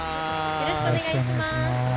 よろしくお願いします。